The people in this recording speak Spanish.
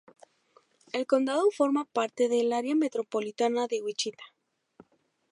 El condado forma parte del área metropolitana de Wichita.